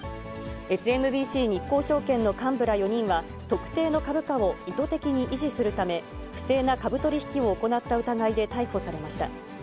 ＳＭＢＣ日興証券の幹部ら４人は、特定の株価を意図的に維持するため、不正な株取り引きを行った疑いで逮捕されました。